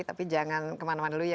tapi jangan kemana mana dulu ya